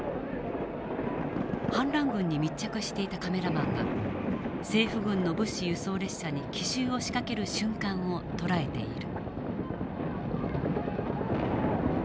反乱軍に密着していたカメラマンが政府軍の物資輸送列車に奇襲を仕掛ける瞬間を捉えている。